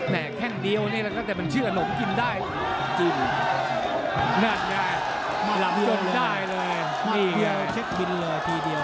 มักเดียวเช็คบินเลยทีเดียว